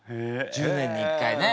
１０年に１回ね。